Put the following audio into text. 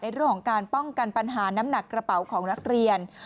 เรื่องของการป้องกันปัญหาน้ำหนักกระเป๋าของนักเรียน